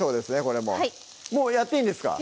これももうやっていいんですか？